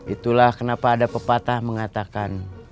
itulah kenapa ada pepatah mengatakan